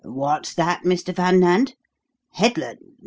What's that, Mr. Van Nant? Headland?